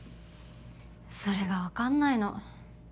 それが分かんないの。